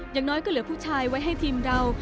อย่างน้อยก็เหลือผู้ชายไว้ให้ทีมเรา